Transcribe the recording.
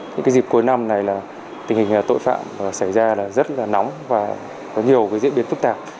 những dịp cuối năm này là tình hình tội phạm xảy ra là rất là nóng và có nhiều diễn biến phức tạp